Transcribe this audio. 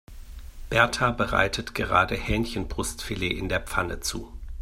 Berta bereitet gerade Hähnchenbrustfilet in der Pfanne zu.